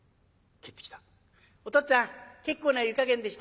「お父っつぁん結構な湯加減でした。